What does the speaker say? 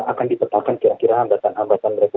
itu akan ditetapkan kira kira hambatan hambatannya